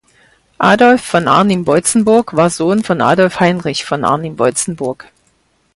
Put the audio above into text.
Adolf von Arnim-Boitzenburg war Sohn von Adolf Heinrich von Arnim-Boitzenburg.